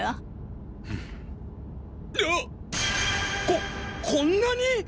ここんなに！？